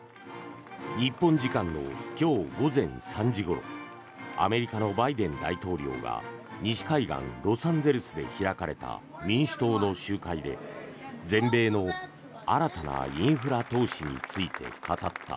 日本時間の今日午前３時ごろアメリカのバイデン大統領が西海岸ロサンゼルスで開かれた民主党の集会で、全米の新たなインフラ投資について語った。